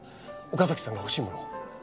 岡崎さんが欲しいものを。